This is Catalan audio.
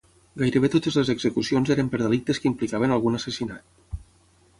Gairebé totes les execucions eren per delictes que implicaven algun assassinat.